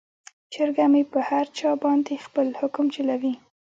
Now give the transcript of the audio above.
چرګه مې په هر چا باندې خپل حکم چلوي.